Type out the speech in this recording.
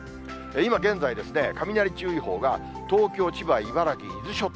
今現在ですね、雷注意報が東京、千葉、茨城、伊豆諸島。